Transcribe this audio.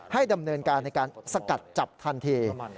ดำเนินการในการสกัดจับทันที